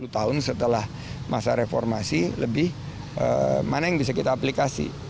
sepuluh tahun setelah masa reformasi lebih mana yang bisa kita aplikasi